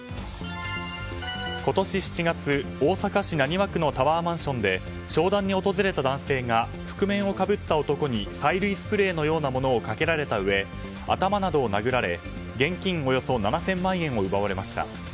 今年７月、大阪市浪速区のタワーマンションで商談に訪れた男性が覆面をかぶった男に催涙スプレーのようなものをかけられたうえ頭などを殴られ現金およそ７０００万円を奪われました。